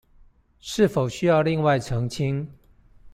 是否需要另外澄清